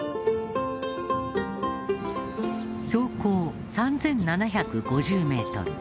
標高３７５０メートル